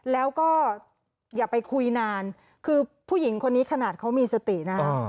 แล้วก็อย่าไปคุยนานคือผู้หญิงคนนี้ขนาดเขามีสตินะฮะ